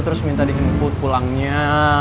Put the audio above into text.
terus minta dijemput pulangnya